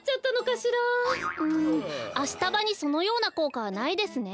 うんアシタバにそのようなこうかはないですね。